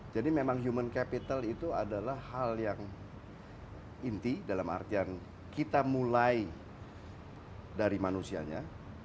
jadi memang human capital itu adalah hal yang inti dalam artian kita mulai dari manusianya